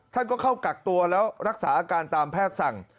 ท่านก็เข้ากักตัวแล้วรักษาอาการตามแพทย์สั่ง